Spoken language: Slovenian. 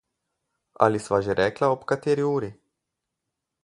Ali sva že rekla ob kateri uri?